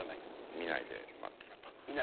見ないで待ってる。